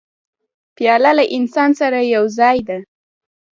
پیاله له انسان سره یو ځای ده.